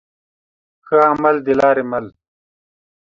ښه عمل دلاري مل